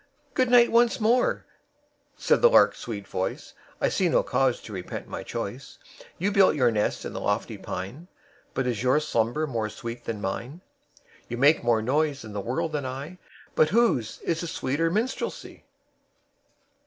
"Good night, once more," said the lark's sweet voice. "I see no cause to repent my choice; You build your nest in the lofty pine, But is your slumber more sweet than mine? You make more noise in the world than I, But whose is the sweeter minstrelsy?"